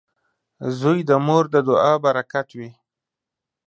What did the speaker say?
• زوی د مور د دعا برکت وي.